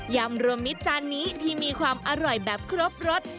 ำรวมมิตรจานนี้ที่มีความอร่อยแบบครบรส